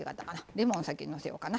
レモンを先にのせようかな。